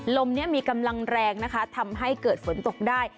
ลมนี้มีกำลังแรงนะคะทำให้เกิดฝนตกได้